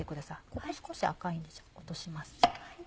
ここ少し赤いんで落とします。